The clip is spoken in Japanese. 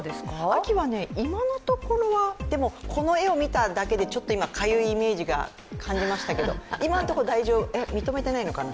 秋は今のところは、でも、この絵を見ただけでちょっと今、かゆいイメージを感じましたけど、今んとこえ、認めてないのかな